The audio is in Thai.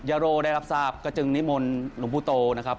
ย่าโล่ได้รับทราบก็จึงนิมนต์หนุ่มผู้โตนะครับ